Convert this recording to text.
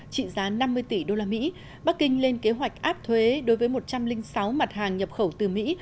trị giá năm mươi tỷ usd bắc kinh lên kế hoạch áp thuế đối với một trăm linh sáu mặt hàng nhập khẩu từ mỹ